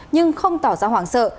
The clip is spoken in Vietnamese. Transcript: nhưng không tỏ ra hoảng sợ